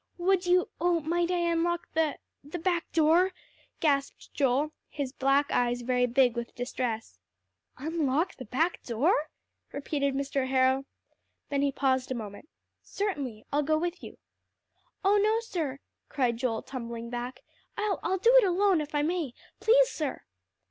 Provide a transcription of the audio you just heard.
"Would you oh, might I unlock the the back door?" gasped Joel, his black eyes very big with distress. "Unlock the back door?" repeated Mr. Harrow. Then he paused a moment. "Certainly; I'll go with you." He got out of his chair. "Oh, no, sir," cried Joel tumbling back, "I'll I'll do it alone if I may; please, sir."